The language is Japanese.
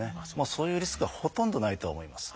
そういうリスクはほとんどないとは思います。